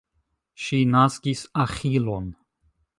Ŝi naskis Aĥilon.